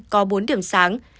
có bốn điểm sáng